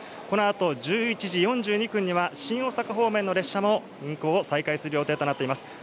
このあと１１時４２分には新大阪方面の列車も運行を再開する予定となっています。